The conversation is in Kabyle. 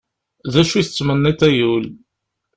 D acu i tettmenniḍ, ay ul?